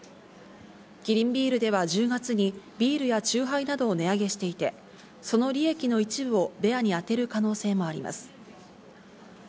キリンビールでは１０月にビールやチューハイなどを値上げしていて、その利益の一部をベアにあてる可能性もあります。